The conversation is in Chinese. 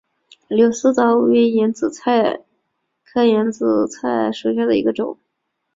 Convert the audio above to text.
柳丝藻为眼子菜科眼子菜属下的一个种。